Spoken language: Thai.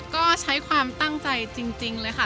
ก็ใช้ความตั้งใจจริงเลยค่ะ